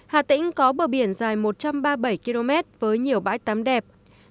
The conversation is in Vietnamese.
hà tĩnh có bờ biển dài một trăm ba mươi bảy km với nhiều bãi tắm đẹp